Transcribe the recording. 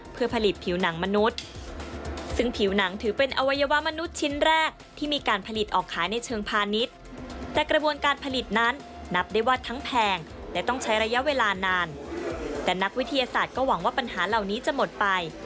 เพื่อผลิตผิวหนังมนุษย์ซึ่งผิวหนังถือเป็นอวัยวะมนุษย์ชิ้นแรกที่มีการผลิตออกขายในเชิงพาณิชย์